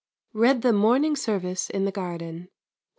Read the morning service in the garden.